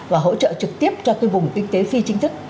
và hỗ trợ trực tiếp cho cái vùng kinh tế phi chính thức